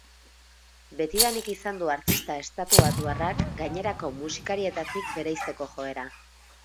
Betidanik izan du artista estatubatuarrak gainerako musikarietatik bereizteko joera.